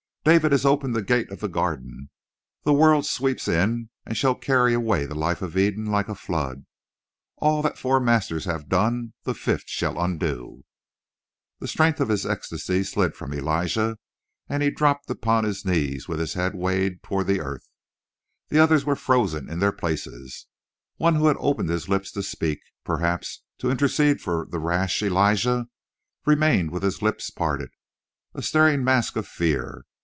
"David has opened the gate of the Garden. The world sweeps in and shall carry away the life of Eden like a flood. All that four masters have done the fifth shall undo." The strength of his ecstasy slid from Elijah and he dropped upon his knees with his head weighted toward the earth. The others were frozen in their places. One who had opened his lips to speak, perhaps to intercede for the rash Elijah, remained with his lips parted, a staring mask of fear.